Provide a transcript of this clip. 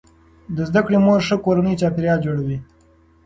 د زده کړې مور ښه کورنی چاپیریال جوړوي.